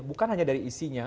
bukan hanya dari isinya